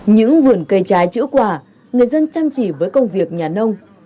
những vườn cây trái chữa quả người dân chăm chỉ với công việc nhà nông